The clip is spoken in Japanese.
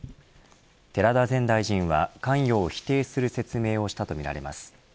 寺田前大臣は関与を否定する説明をしたとみられます。